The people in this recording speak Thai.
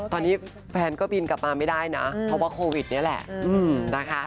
ตอนนี้แฟนก็บินกลับมาไม่ได้นะเพราะว่าโควิดนี่แหละนะคะ